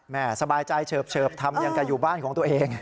สบายใจเฉิบทำอย่างกับอยู่บ้านของตัวเอง